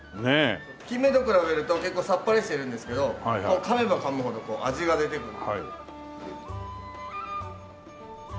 キンメと比べると結構さっぱりしてるんですけど噛めば噛むほど味が出てくる。